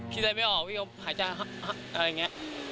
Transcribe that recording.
พี่ได้ไม่ออกพี่เขาหายจ้างอะไรอย่างนี้